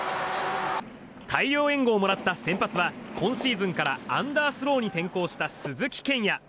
大量援護をもらった先発は今シーズンからアンダースローに転向した鈴木健矢。